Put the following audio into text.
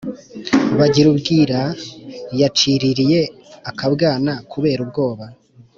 Bagirubwira yaciririye akabwana kubera ubwoba